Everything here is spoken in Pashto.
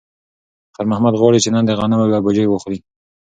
خیر محمد غواړي چې نن د غنمو یوه بوجۍ واخلي.